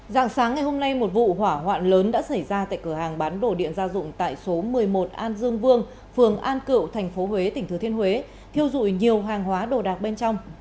dạng sáng ngày hôm nay một vụ hỏa hoạn lớn đã xảy ra tại cửa hàng bán đồ điện gia dụng tại số một mươi một an dương vương phường an cựu thành phố huế tỉnh thừa thiên huế thiêu dụi nhiều hàng hóa đồ đạc bên trong